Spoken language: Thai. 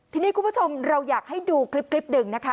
ทีนี้คุณผู้ชมเราอยากให้ดูคลิปหนึ่งนะคะ